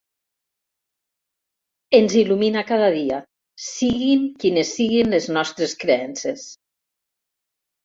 Ens il·lumina cada dia, siguin quines siguin les nostres creences.